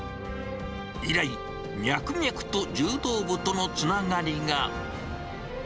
以来、脈々と柔道部とのつながりが。